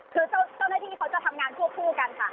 คือเจ้าหน้าที่เขาจะทำงานควบคู่กันค่ะ